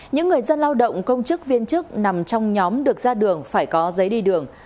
những người dân lao động công chức viên chức nằm trong nhóm được ra đường phải có giấy đi đường